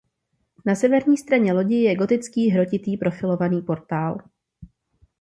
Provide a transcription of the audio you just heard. Na severní straně lodi je gotický hrotitý profilovaný portál.